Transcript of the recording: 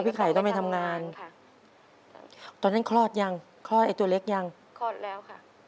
ไข่ต้องไปทำงานค่ะตอนนั้นคลอดยังคลอดไอ้ตัวเล็กยังคลอดแล้วค่ะ